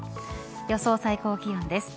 予想最高気温です。